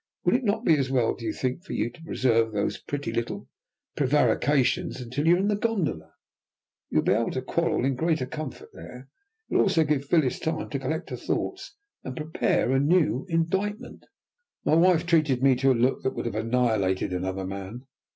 "Would it not be as well, do you think, for you to preserve those pretty little prevarications until you are in the gondola? You will be able to quarrel in greater comfort there. It will also give Phyllis time to collect her thoughts, and to prepare a new indictment." My wife treated me to a look that would have annihilated another man.